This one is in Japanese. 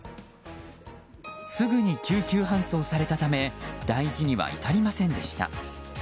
すぐに救急搬送されたため大事には至りませんでした。